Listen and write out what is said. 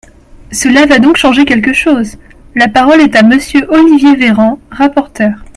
Cela va donc changer quelque chose ! La parole est à Monsieur Olivier Véran, rapporteur.